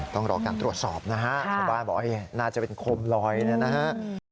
ต้องรอการตรวจสอบนะฮะชาวบ้านบอกน่าจะเป็นโคมลอยเนี่ยนะฮะ